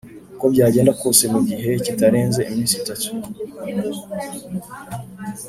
Uko byagenda kose mu gihe kitarenze iminsi itatu